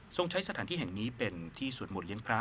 ทรงใช้สถานที่แห่งนี้เป็นที่สวดมวลเลี้ยงพระ